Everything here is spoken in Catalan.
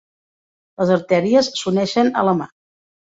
Les artèries s'uneixen a la mà.